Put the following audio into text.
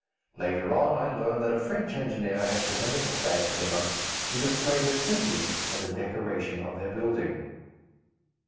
Later on, I learned that a French engineer had presented the flag to the monks, who displayed it simply as a decoration of their building.